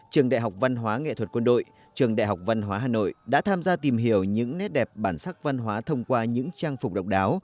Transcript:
trường đại học văn hóa nghệ thuật quân đội trường đại học văn hóa hà nội đã tham gia tìm hiểu những nét đẹp bản sắc văn hóa thông qua những trang phục độc đáo